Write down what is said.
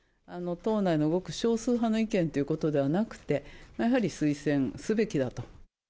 党内のごく少数派の意見ということではなくて、やはり推薦すべきだと。